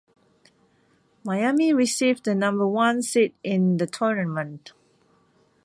Miami received the number one seed in the tournament.